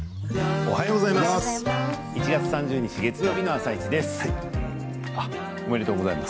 おはようございます。